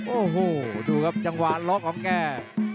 โอ้โหดูครับจังหวะล็อกของแก